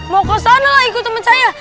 mau ke sana ikut temen saya